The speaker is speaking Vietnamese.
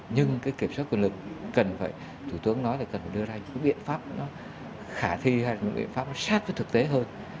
nhưng cái kiểm soát quyền lực cần phải thủ tướng nói là cần phải đưa ra những biện pháp nó khả thi hay những biện pháp nó sát với thực tế hơn